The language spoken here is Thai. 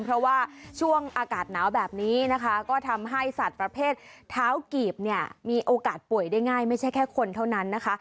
เพราะว่าช่วงอากาศหนาวแบบนี้นะคะก็ทำให้สัตว์ประเภทเท้ากีบเนี่ยมีโอกาสป่วยได้ง่ายไม่ใช่แค่คนเท่านั้นนะคะ